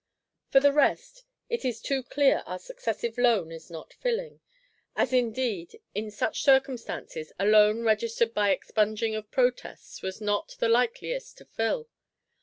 For the rest, it is too clear our Successive Loan is not filling. As indeed, in such circumstances, a Loan registered by expunging of Protests was not the likeliest to fill.